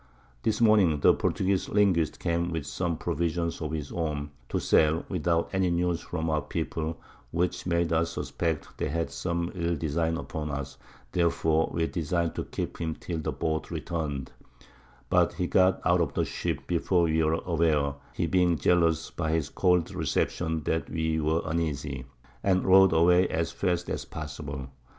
This Morning, the Portugueze Linguist came with some Provisions of his own, to sell, without any News from our People, which made us suspect they had some ill Design upon us, therefore we design'd to keep him till the Boat return'd, but he got out of the Ship, before we were aware, (he being jealous by his cold Reception, that we were uneasy) and rowed away as fast as possible.